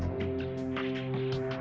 terima kasih mas